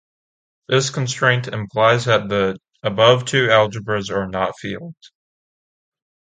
This constraint implies that the above two algebras are not fields.